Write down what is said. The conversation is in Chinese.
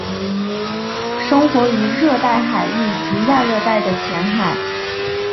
生活于热带海域及亚热带的浅海。